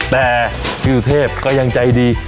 แต่ผู้เทพก็ยังใจดี